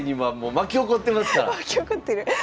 巻き起こってる？